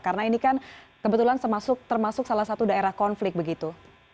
karena ini kan kebetulan termasuk salah satu daerah konflik begitu